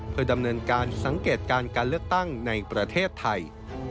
เพื่อดำเนินการสังเกตการการเลือกตั้งในประเทศไทย